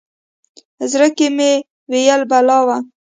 زړه کې مې ویل بلا وه.